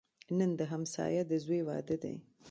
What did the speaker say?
نن د همسایه د زوی واده دی